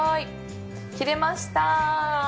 切れました！